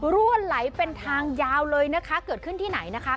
ล้วนไหลไปยาวเลยนะคะเกิดขึ้นที่ไหนนะคะ